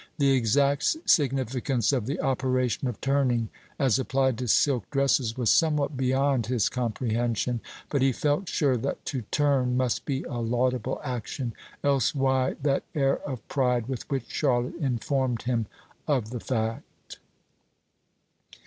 The exact significance of the operation of turning, as applied to silk dresses, was somewhat beyond his comprehension; but he felt sure that to turn must be a laudable action, else why that air of pride with which Charlotte informed him of the fact?